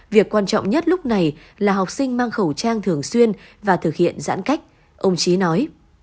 việc quan trọng nhất lúc này là học sinh mang khẩu trang thường xuyên và thực hiện giãn cách ông trí nói